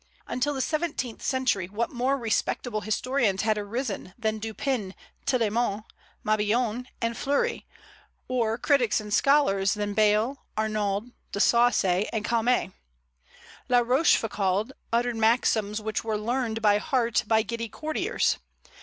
Until the seventeenth century, what more respectable historians had arisen than Dupin, Tillemont, Mabillon, and Fleury; or critics and scholars than Bayle, Arnauld, De Sacy, and Calmet! La Rochefoucauld uttered maxims which were learned by heart by giddy courtiers.